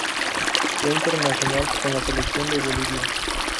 Fue internacional con la Selección de Bolivia.